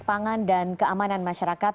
pangan dan keamanan masyarakat